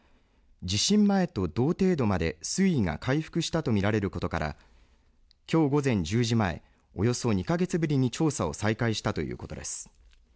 地震前と同程度まで水位が回復したとみられることからきょう午前１０時前およそ２か月ぶりに調査を再開したということです。